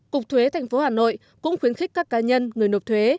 cục thuế thành phố hà nội cũng khuyến khích các cá nhân người nộp thuế